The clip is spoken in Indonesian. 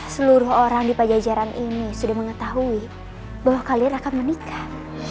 seluruh orang di pajajaran ini sudah mengetahui bahwa kali ini raka menikah